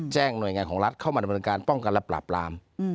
หน่วยงานของรัฐเข้ามาดำเนินการป้องกันและปราบราม